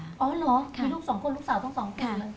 อ๋อเหรอมีลูกสองคนลูกสาวทั้งสองคน